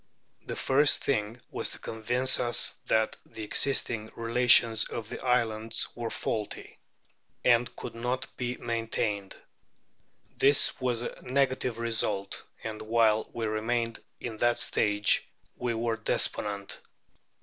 The first thing was to convince us that the existing relations of the islands were faulty, and could not be maintained. This was a negative result, and while we remained in that stage we were despondent.